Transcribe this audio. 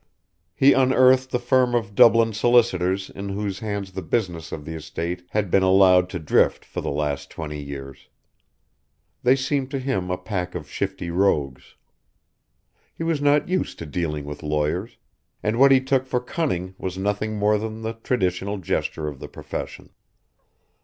He unearthed the firm of Dublin solicitors in whose hands the business of the estate had been allowed to drift for the last twenty years. They seemed to him a pack of shifty rogues. He was not used to dealing with lawyers, and what he took for cunning was nothing more than the traditional gesture of the profession.